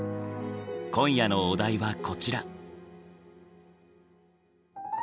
今夜のお題はこちら。